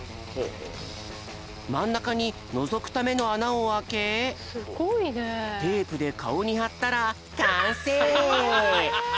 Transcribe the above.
まんなかにのぞくためのあなをあけテープでかおにはったらかんせい！